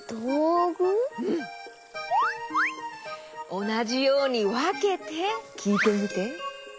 おなじようにわけてきいてみて。